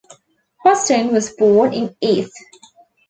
Hustin was born in Ethe.